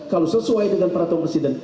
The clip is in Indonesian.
kalau sesuai dengan peraturan presiden